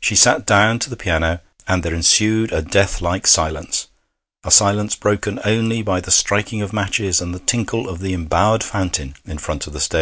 She sat down to the piano, and there ensued a death like silence a silence broken only by the striking of matches and the tinkle of the embowered fountain in front of the stage.